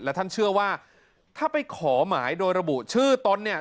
และท่านเชื่อว่าถ้าไปขอหมายโดยระบุชื่อตนเนี่ย